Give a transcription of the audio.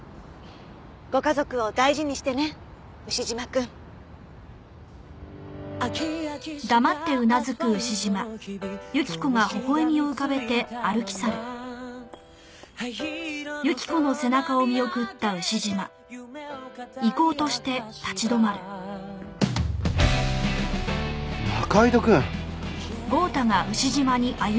ご家族を大事にしてね牛島くん。仲井戸くん。